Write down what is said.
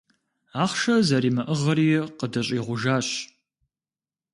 Ахъшэ зэримыӀыгъри къыдыщӀигъужащ.